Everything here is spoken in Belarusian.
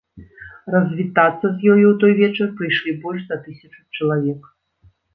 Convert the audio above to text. Развітацца з ёю ў той вечар прыйшлі больш за тысячу чалавек.